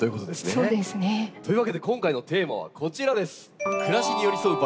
そうですね。というわけで今回のテーマはこちらです。